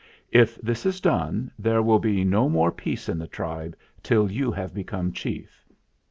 "If this is done, there will be no more peace in the tribe till you have become chief."